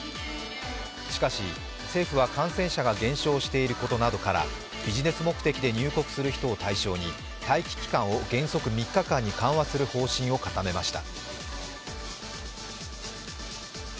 しかし、政府は感染者が減少していることなどからビジネス目的で入国する人を対象に待機期間を原則３日間に緩和する方針を固めました。